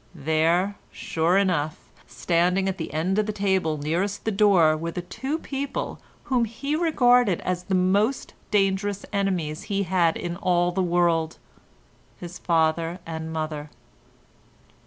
There, sure enough, standing at the end of the table nearest the door were the two people whom he regarded as the most dangerous enemies he had in all the world—his father and mother.